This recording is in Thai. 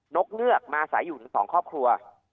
นกเนื้อกมาสายอยู่ถึง๒ครอบครัว